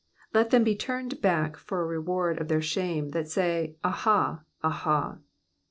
3 Let them be turned back for a reward of their shame that say, Aha, aha.